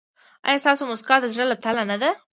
ایا ستاسو مسکا د زړه له تله نه ده؟